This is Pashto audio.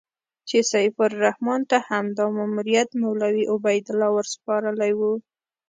چې سیف الرحمن ته همدا ماموریت مولوي عبیدالله ورسپارلی و.